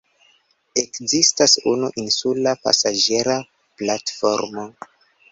Ekzistas unu insula pasaĝera platformo.